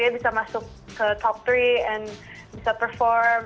bisa masuk ke top tiga and bisa perform